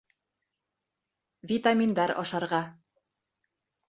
— Витаминдар ашарға...